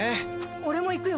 俺も行くよ。